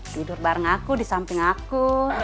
tidur bareng aku di samping aku